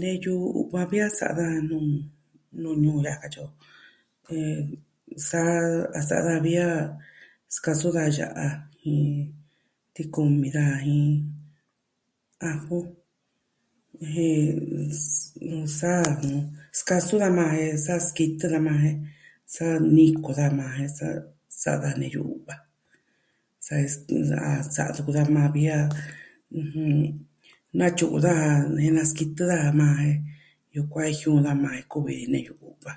Neyu va'a vi a sa'a nuu, nuu nu ka katyi o. sa, a sa'a da vi a skasun da ya'a, tikumi daa jin ajo. Jen nsaa skasun daa maa e sa skitɨ da maa e sa niko da maa e sa'a neyu va s... sa, sa tuku da maa vi a, natyu'un daja ne naskitɨ da maa e yukuan e jiuu ka maa e kuvi neyu u'va.